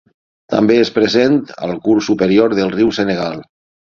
També és present al curs superior del riu Senegal.